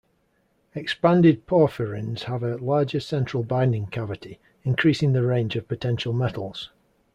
Expanded porphyrins have a larger central binding cavity, increasing the range of potential metals.